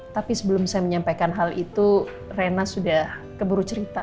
tapi sebelum saya menyampaikan hal itu rena sudah keburu cerita